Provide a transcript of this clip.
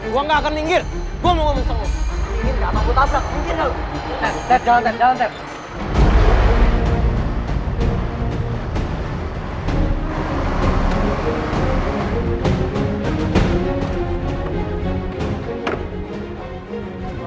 jalan sam jalan sam